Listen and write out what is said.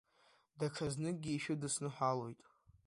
Даҽазныкгьы ишәыдысныҳәалоит!